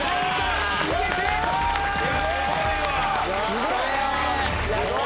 すごいわ。